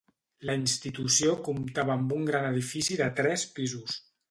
La institució comptava amb un gran edifici de tres pisos.